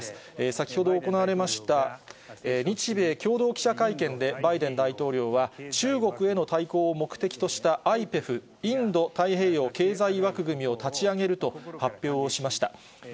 先ほど行われました、日米共同記者会見でバイデン大統領は、中国への対抗を目的としたＩＰＥＦ・インド太平洋経済枠組みを立ち上げると発表をしました。